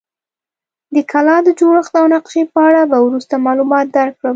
د کلا د جوړښت او نقشې په اړه به وروسته معلومات درکړم.